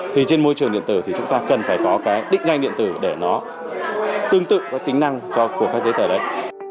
thì trên môi trường điện tử thì chúng ta cần phải có cái định danh điện tử để nó tương tự có tính năng cho của các giấy tờ đấy